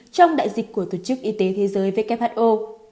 trong đại dịch của tổ chức y tế thế giới who